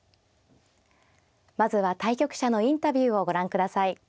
まずは対局者のインタビューをご覧ください。